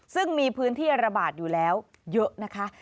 ซึ่งมีพื้นที่ระบาดอยู่แล้วเยอะนะคะ